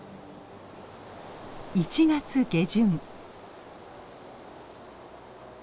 １月下旬。